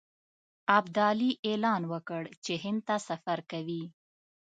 ابدالي اعلان وکړ چې هند ته سفر کوي.